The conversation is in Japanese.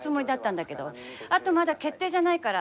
あとまだ決定じゃないから。